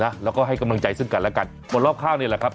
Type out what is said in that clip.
นะแล้วก็ให้กำลังใจซึ่งกันและกันคนรอบข้างนี่แหละครับ